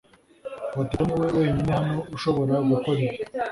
Bateta niwe wenyine hano ushobora gukora ibi .